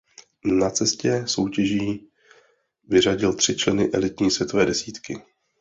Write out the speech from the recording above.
Na cestě soutěží vyřadil tři členy elitní světové desítky.